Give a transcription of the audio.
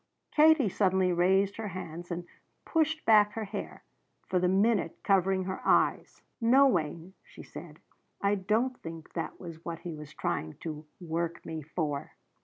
Katie suddenly raised her hands and pushed back her hair, for the minute covering her eyes. "No, Wayne," she said, "I don't think that was what he was trying to 'work me' for."